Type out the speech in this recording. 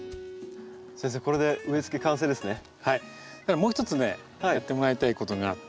もう一つねやってもらいたいことがあって。